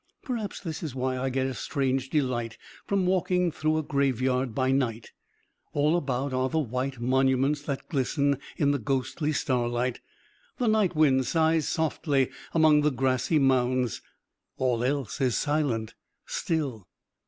Perhaps this is why I get a strange delight from walking through a graveyard by night. All about are the white monuments that glisten in the ghostly starlight, the night wind sighs softly among the grassy mounds all else is silent still.